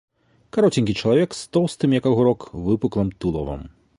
Кароценькі чалавек з тоўстым, як агурок, выпуклым тулавам.